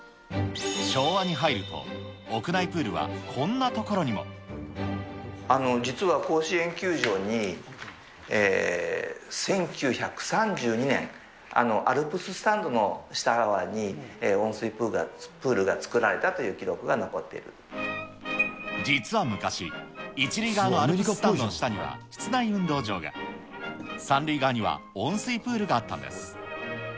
昭和に入ると、実は、甲子園球場に１９３２年、アルプススタンドの下側に、温水プールが造られたという記録実は昔、１塁側のアルプススタンドの下には室内運動場が、３塁側には温水プールがあったんです。